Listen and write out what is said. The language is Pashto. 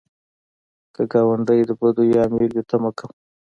که ګاونډی د بدیو عامل وي، ته مه کوه